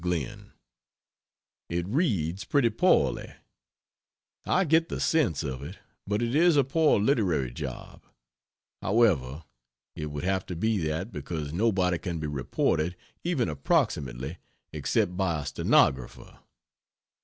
GLYN, It reads pretty poorly I get the sense of it, but it is a poor literary job; however, it would have to be that because nobody can be reported even approximately, except by a stenographer.